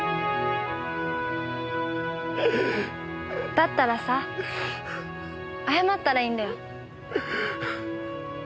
だったらさ謝ったらいいんだよ。